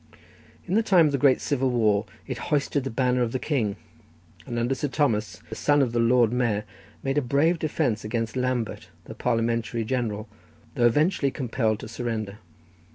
In the time of the great civil war it hoisted the banner of the king, and under Sir Thomas, the son of the Lord Mayor, made a brave defence against Lambert, the Parliamentary General, though eventually compelled to surrender.